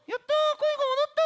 声が戻った。